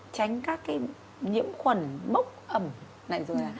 tránh các cái nhiễm khuẩn bốc ẩm này rồi